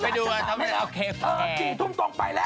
ไปดูว่าเขาจะเอาเคฟแหละเออจริงถุงตรงไปแล้ว